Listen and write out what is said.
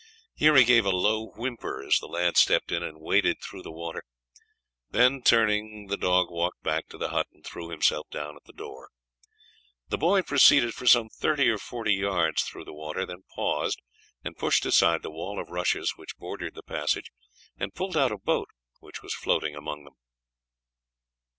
Here he gave a low whimper as the lad stepped in and waded through the water; then turning he walked back to the hut and threw himself down at the door. The boy proceeded for some thirty or forty yards through the water, then paused and pushed aside the wall of rushes which bordered the passage, and pulled out a boat which was floating among them.